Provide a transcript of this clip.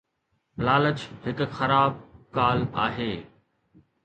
لالچ هڪ خراب ڪال آهي